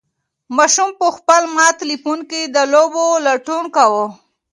ماشوم په خپل مات تلیفون کې د لوبو لټون کاوه.